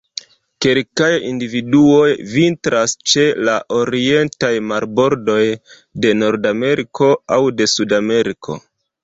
Kelkaj individuoj vintras ĉe la orientaj marbordoj de Nordameriko aŭ de Sudameriko.